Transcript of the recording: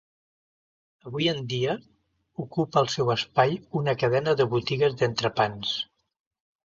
Avui en dia, ocupa el seu espai una cadena de botigues d'entrepans.